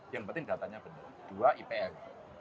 yang penting datanya benar dua ipl